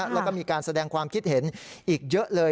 แล้วก็มีการแสดงความคิดเห็นอีกเยอะเลย